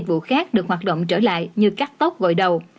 các được hoạt động trở lại như cắt tóc gọi đầu